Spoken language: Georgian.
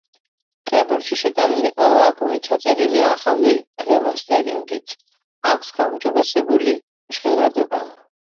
კრებულში შეტანილი ყველა ალბომი ჩაწერილია ახალი რემასტერინგით, აქვს გაუმჯობესებული ჟღერადობა.